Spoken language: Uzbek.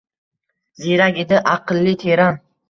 Ziyrak edi, aqli teran